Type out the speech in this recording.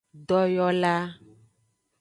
Doyola.